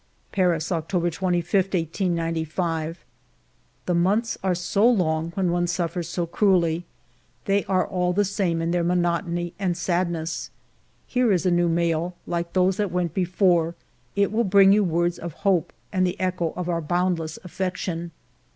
... "Paris, October 25, 1895. " The months are long when one suffers so cruelly ; they are all the same in their monotony and sadness. Here is a new mail ; like those that went before, it will bring you words of hope, and the echo of our boundless affection.